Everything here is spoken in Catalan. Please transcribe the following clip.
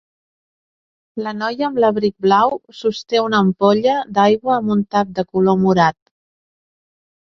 La noia amb l'abric blau sosté una ampolla d'aigua amb un tap de color morat.